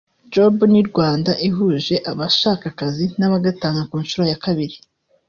Job in Rwanda ihuje abashaka akazi n’abagatanga ku nshuro ya kabiri